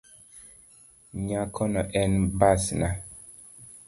Nyakono en mbasna.